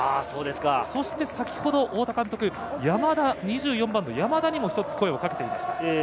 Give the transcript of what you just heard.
そして太田監督、２４番の山田にも声をかけていました。